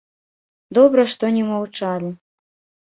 Добра, што не маўчалі.